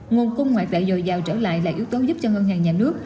nguồn cung ngoại tệ dồi dào trở lại là yếu tố giúp cho ngân hàng nhà nước